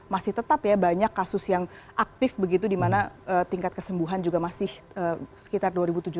masih tetap ya banyak kasus yang aktif begitu di mana tingkat kesembuhan juga masih sekitar dua tujuh ratus